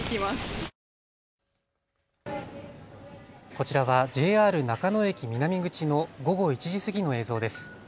こちらはＪＲ中野駅南口の午後１時過ぎの映像です。